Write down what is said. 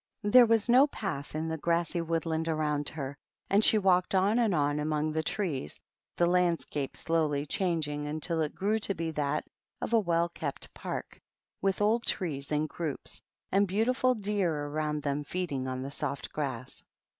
There was no path i the grassy woodland around her, and she walk< on and on among the trees, the landscape slow changing until it grew to be that of a well ke park, with old trees in groups, and beautiful de around them feeding on the soft grass.